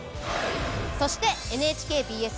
そしてＮＨＫＢＳ